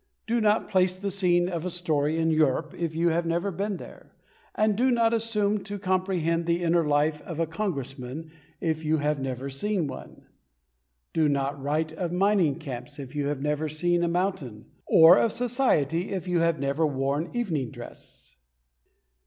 Do not place the scene of a story in Europe if you have never been there, and do not assume to comprehend the inner life of a Congressman if you have never seen one. Do not write of mining camps if you have never seen a mountain, or of society if you have never worn evening dress.